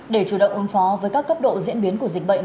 để chủ động ứng phó với các cấp độ diễn biến của dịch bệnh